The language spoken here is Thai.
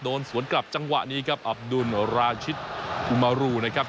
โดนสวนกลับจังหวะนี้ครับอับดุลราชิตอุมารูนะครับ